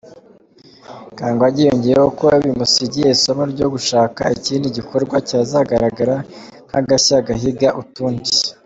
Kangwage yongeyeho ko bimusigiye isomo ryo gushaka ikindi gikorwa cyazagaragara nk’agashya gahiga utundi.